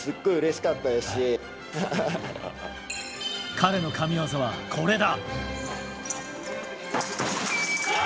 彼の神技は、これだ。